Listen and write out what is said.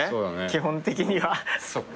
基本的には。